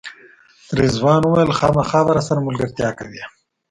رضوان وویل خامخا به راسره ملګرتیا کوئ.